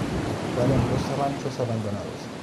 Ocuparon dos ranchos abandonados.